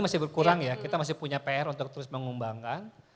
masih berkurang ya kita masih punya pr untuk terus mengembangkan